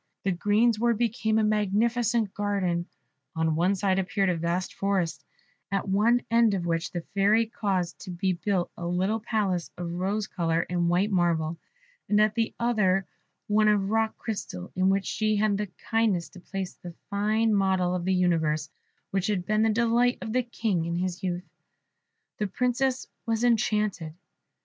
The greensward became a magnificent garden: on one side appeared a vast forest, at one end of which the Fairy caused to be built a little palace of rose colour and white marble; and at the other, one of rock crystal, in which she had the kindness to place the fine model of the universe, which had been the delight of the King in his youth. The Princess was enchanted.